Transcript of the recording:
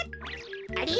あれ？